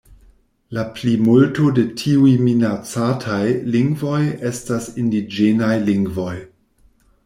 La plimulto de tiuj minacataj lingvoj estas indiĝenaj lingvoj.